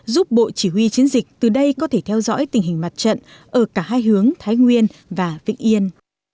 giúp bộ chỉ huy chiến dịch từ đây có thể theo dõi tình hình mặt trận ở cả hai hướng thái nguyên và vĩnh yên